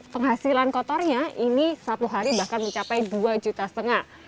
penghasilan kotornya ini satu hari bahkan mencapai dua juta setengah